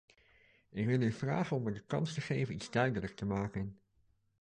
Ik wil u vragen om me de kans te geven iets duidelijk te maken.